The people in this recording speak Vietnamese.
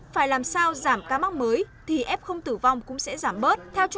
phải làm sao giảm ca mắc mới thì f tử vong cũng sẽ giảm bớt